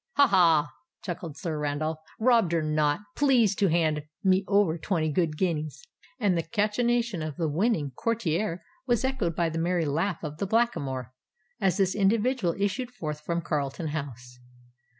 "Ha! ha!" chuckled Sir Randolph: "robbed or not—please to hand me over twenty good guineas." And the cachinnation of the winning courtier was echoed by the merry laugh of the Blackamoor, as this individual issued forth from Carlton House.